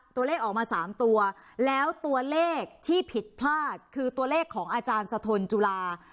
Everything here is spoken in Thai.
ตัวเลขออกมา๓ตัวแล้วตัวเลขที่ผิดพลาดคือตัวเลขของอาจารย์สะทนจุฬา